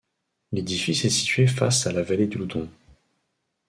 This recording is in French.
L'édifice est situé face à la vallée de L'Oudon.